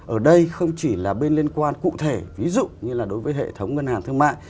ở đây không chỉ là bên liên quan cụ thể ví dụ như là đối với hệ thống ngân hàng thương mại